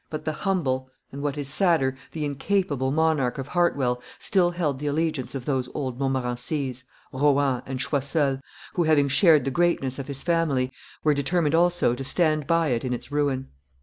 But the humble, and what is sadder the incapable, monarch of Hartwell still held the allegiance of those old Montmorencies, Rohans, and Choiseuls, who, having shared the greatness of his family, were determined also to stand by it in its ruin.